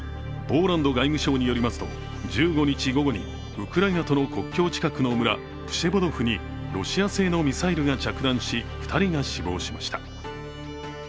ポーランド外務省によりますと１５日午後にウクライナとの国境近くの村、プシェボドフにロシア製のミサイルが着弾し、２人が死亡しました。